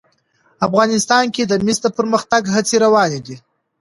افغانستان کې د مس د پرمختګ هڅې روانې دي.